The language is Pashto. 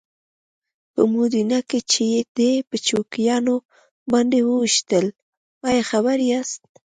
په موډینا کې چې یې دی په چوکیانو باندې وويشتل ایا خبر یاست؟